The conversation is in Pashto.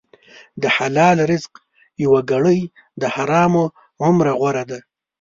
د حلال رزق یوه ګړۍ د حرامو عمره غوره ده.